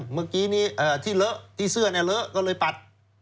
เมื่อกี้ที่เสื้อเนี่ยเลอะก็เลยปัด